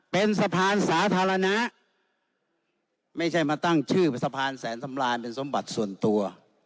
เป็นสะพานสาธารณะไม่ใช่มาตั้งชื่อเป็นสะพานแสนสำราญเป็นสมบัติส่วนตัว